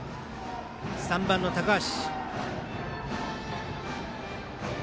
３番の高橋。